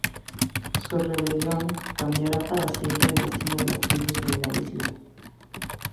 Su rebelión cambiará para siempre el destino de las tribus de la isla.